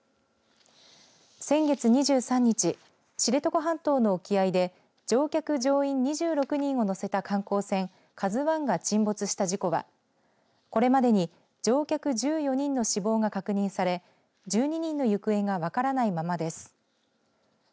先月２３日、知床半島の沖合で乗客・乗員２６人を乗せた観光船、ＫＡＺＵＩが沈没した事故は、これまでに乗客１４人の死亡が確認され１２人の行方が分からないままです。